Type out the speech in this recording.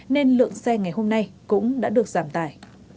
nên lượng xe ngày hôm nay cũng đã được giảm tải